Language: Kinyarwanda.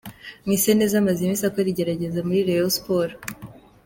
Mwiseneza amaze iminsi akora igeragezwa muri Rayon Sports.